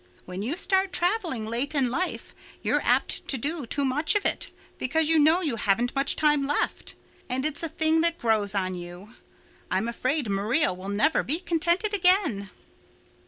When you start traveling late in life you're apt to do too much of it because you know you haven't much time left, and it's a thing that grows on you. I'm afraid Maria will never be contented again."